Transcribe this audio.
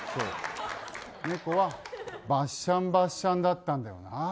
猫はバッシャンバッシャンだったんだよな。